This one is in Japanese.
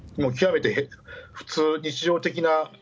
極めて普通、日常的な。